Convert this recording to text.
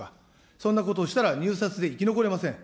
そんなことをしたら、入札で生き残れません。